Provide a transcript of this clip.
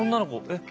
えっ